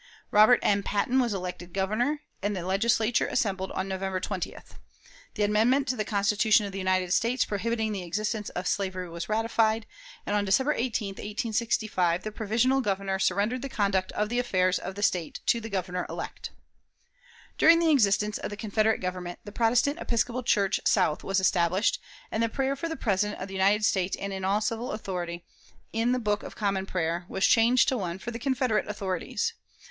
Robert M. Patton was elected Governor, and the Legislature assembled on November 20th. The amendment to the Constitution of the United States prohibiting the existence of slavery was ratified, and on December 18, 1865, the provisional Governor surrendered the conduct of the affairs of the State to the Governor elect. During the existence of the Confederate Government, the Protestant Episcopal Church South was established, and the prayer for the President of the United States and all in civil authority, in the "Book of Common Prayer," was changed to one for the Confederate authorities.